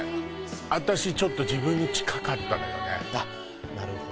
私ちょっと自分に近かったのよね